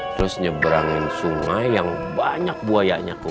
terus nyeberangin sungai yang banyak buaya nya kum